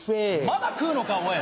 まだ食うのかおい。